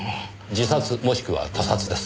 自殺もしくは他殺です。